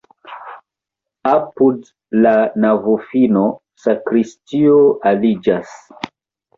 Apud la navofino sakristio aliĝas.